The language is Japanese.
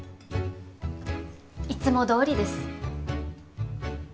いつもどおりです。